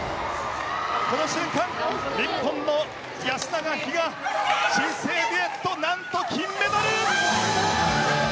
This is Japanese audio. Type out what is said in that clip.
この瞬間日本の安永、比嘉新星デュエット、何と金メダル！